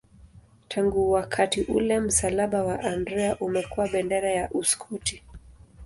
Tangu wakati ule msalaba wa Andrea umekuwa bendera ya Uskoti.